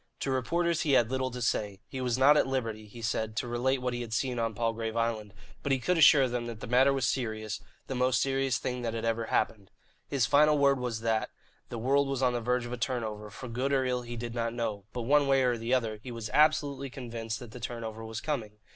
To reporters he had little to say. He was not at liberty, he said, to relate what he had seen on Palgrave Island; but he could assure them that the matter was serious, the most serious thing that had ever happened. His final word was that, the world was on the verge of a turnover, for good or ill he did not know, but, one way or the other, he was absolutely convinced that the turnover was coming.